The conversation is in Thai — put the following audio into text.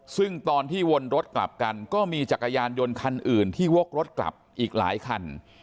ซึ่งตอนที่วนรถกลับกันก็มีจักรยานยนต์คันอื่นที่วกรถกลับอีกหลายคัน